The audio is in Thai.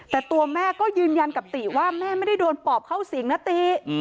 แต่ตัวแม่ก็ยืนยันกับติว่าแม่ไม่ได้โดนปอบเข้าสิงนะติ